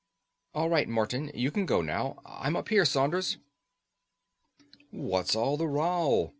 "All right, Morton, you can go now. I'm up here, Saunders." "What's all the row?"